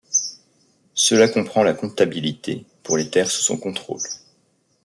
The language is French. Cela comprend la comptabilité pour les terres sous son contrôle.